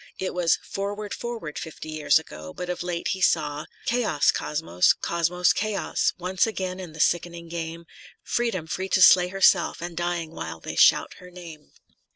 It was " Forward, forward," fifty years ago, but of late he saw Chaos, Cosmos ! Cosmos, Chaos ! once again the sickening game ; Freedom, free to slay herself, and dying while they shout her name.